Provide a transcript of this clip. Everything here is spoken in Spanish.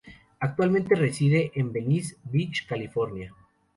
Actualmente reside en Venice beach, California.